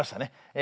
え